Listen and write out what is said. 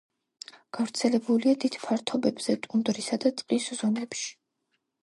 გავრცელებულია დიდ ფართობებზე ტუნდრისა და ტყის ზონებში.